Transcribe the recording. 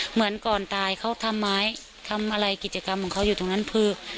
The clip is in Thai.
เหมือนก่อนตายเขาทำไมทำอะไรกิจกรรมของเขาอยู่ตรงนั้นคือ